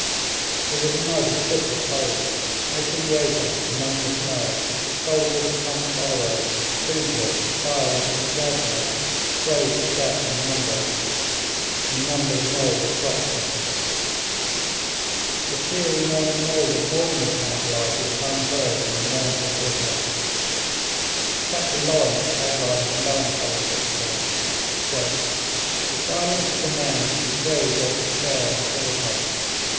It was a night of bitter cold. Out in the open among the snow, soldiers and camp followers, foodless, fireless, and shelterless, froze to death in numbers, and numbers more were frost bitten. The cheery morning noise of ordinary camp life was unheard in the mournful bivouac. Captain Lawrence outlines a melancholy picture. 'The silence of the men betrayed their despair and torpor.